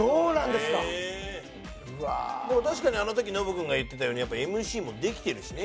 でも確かにあの時ノブ君が言ってたようにやっぱＭＣもできてるしね